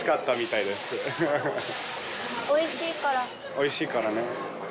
おいしいから。